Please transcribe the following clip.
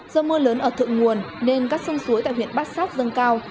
do mưa lớn ở thượng nguồn nên các sông suối tại huyện bát sát dâng cao